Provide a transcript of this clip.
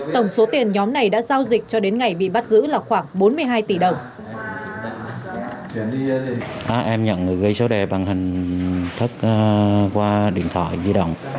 tổng số tiền nhóm này đã giao dịch cho đến ngày bị bắt giữ là khoảng bốn mươi hai tỷ đồng